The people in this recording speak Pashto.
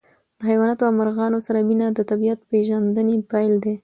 د حیواناتو او مرغانو سره مینه د طبیعت د پېژندنې پیل دی.